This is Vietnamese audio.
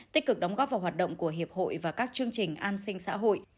tích cực đóng góp vào hoạt động của hiệp hội và các chương trình an sinh xã hội